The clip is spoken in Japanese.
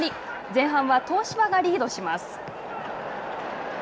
前半は東芝がリードします。